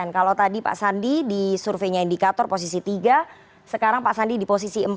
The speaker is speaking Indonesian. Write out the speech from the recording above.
kalau tadi pak sandi di surveinya indikator posisi tiga sekarang pak sandi di posisi empat